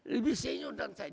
lebih senior dan saya